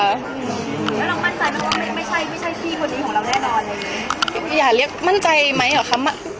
แล้วน้องมั่นใจว่าไม่ใช่พี่คนนี้ของเราแน่นอน